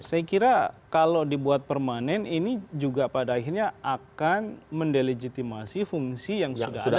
saya kira kalau dibuat permanen ini juga pada akhirnya akan mendelegitimasi fungsi yang sudah ada